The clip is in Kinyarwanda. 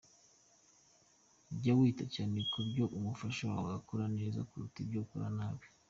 Jya wita cyane ku byo umufasha wawe akora neza kuruta ibyo akora nabi.